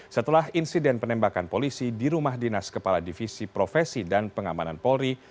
setelah insiden penembakan polisi di rumah dinas kepala divisi profesi dan pengamanan polri